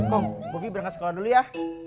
kong bobby berangkat sekolah dulu ya